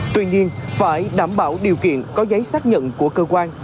tuy nhiên phải đảm bảo điều kiện có giấy xác nhận của cơ quan